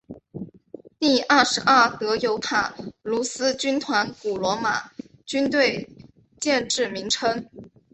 第二十二德尤塔卢斯军团古罗马军队建制名称。